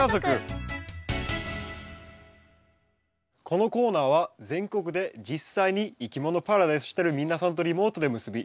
このコーナーは全国で実際にいきものパラダイスしてる皆さんとリモートで結び